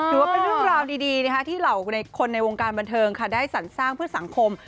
ถือว่าเป็นเรื่องราวดีที่เหล่าคนในวงการบันเทิงค่ะได้สรรสร้างเพื่อสังคม